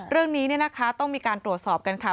เรื่องนี้ต้องมีการตรวจสอบกันค่ะ